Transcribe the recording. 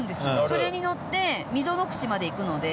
それに乗って溝の口まで行くので。